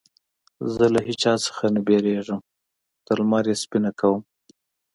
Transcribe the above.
زه له هيچا څخه نه ډارېږم؛ تر لمر يې سپينه کوم.